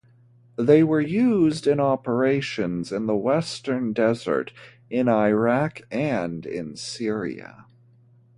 They were used in operations in the Western Desert, in Iraq, and in Syria.